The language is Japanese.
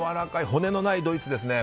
骨のないドイツですね。